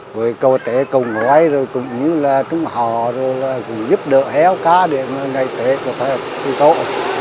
với cầu tế cầu ngoái rồi cũng như là chúng họ rồi là cũng giúp đỡ héo cá để ngày tế có thể tốt